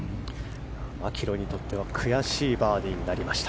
マキロイにとっては悔しいバーディーになりました。